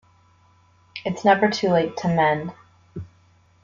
It's never too late to mend.